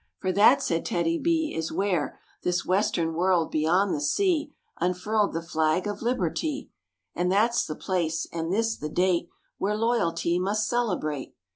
a " For that," said TEDDY B, " is where Vg|0|^rf , This western world beyond the sea Unfurled the flag of liberty; ^ 0 i ^fb^ And that's the place and this the date Where loyalty must celebrate."